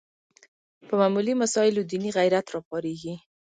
په معمولي مسایلو دیني غیرت راپارېږي